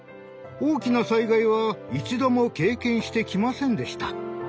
大きな災害は一度も経験してきませんでした。